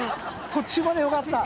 途中までよかった。